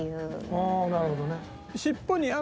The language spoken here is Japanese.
ああなるほどね。